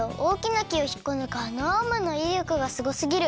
なきをひっこぬくあのアームのいりょくがすごすぎる。